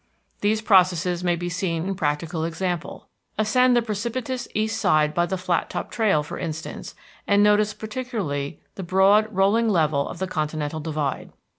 These processes may be seen in practical example. Ascend the precipitous east side by the Flattop Trail, for instance, and notice particularly the broad, rolling level of the continental divide.